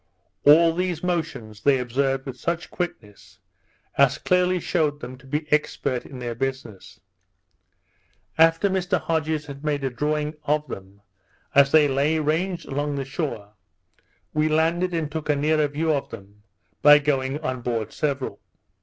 All these motions they observed with such quickness, as clearly shewed them to be expert in their business. After Mr Hodges had made a drawing of them, as they lay ranged along the shore, we landed and took a nearer view of them, by going on board several.